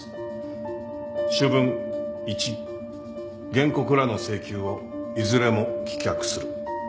主文一原告らの請求をいずれも棄却する。